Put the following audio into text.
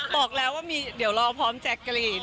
บอกแล้วว่ามีเดี๋ยวรอพร้อมแจ๊กกะรีน